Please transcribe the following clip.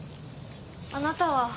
あなたは。